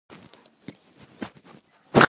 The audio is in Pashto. نجلۍ ارامه ده.